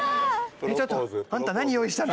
「ちょっとあんた何用意したの？」。